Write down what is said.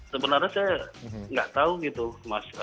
sebenarnya saya nggak tahu gitu mas